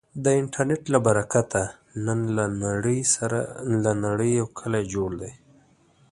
د انټرنټ له برکته، نن له نړې یو کلی جوړ دی.